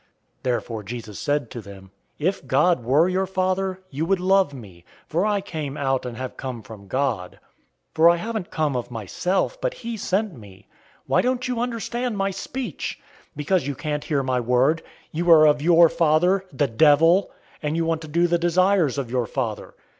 008:042 Therefore Jesus said to them, "If God were your father, you would love me, for I came out and have come from God. For I haven't come of myself, but he sent me. 008:043 Why don't you understand my speech? Because you can't hear my word. 008:044 You are of your father, the devil, and you want to do the desires of your father.